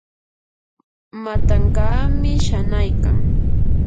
matankaami shanaykan.